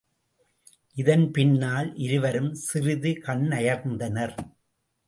இதன் பின்னால் இருவரும் சிறிது கண்ணயர்ந்தனர்.